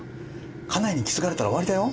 家内に気付かれたら終わりだよ。